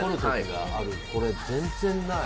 これ全然ない！